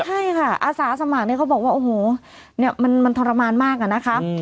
ใช่ค่ะอาสาสมัครเนี่ยเขาบอกว่าโอ้โหเนี่ยมันทรมานมากอะนะคะ